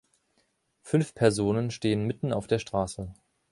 Fünf Personen stehen mitten auf der Straße.